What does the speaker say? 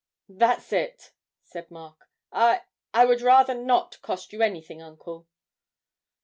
'That's it,' said Mark; 'I I would rather not cost you anything, uncle.'